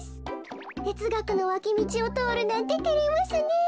てつがくのわきみちをとおるなんててれますねえ。